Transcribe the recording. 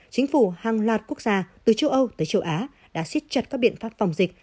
chính phủ hàng loạt quốc gia từ châu âu tới châu á đã xích chặt các biện pháp phòng dịch